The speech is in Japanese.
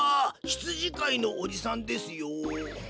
ひつじかいのおじさんですよ。